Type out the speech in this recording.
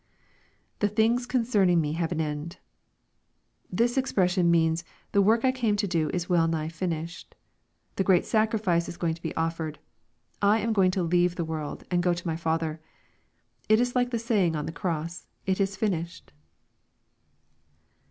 [ITie things concerning me have an end.] This expression means " The work I came to do is well nigh finished. The great sacri fice is going to be offered. I am going to leave the world, and go to my Father." It is like the saying on the cross, " It is finished."